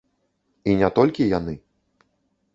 І не толькі яны.